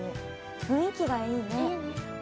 雰囲気がいいね。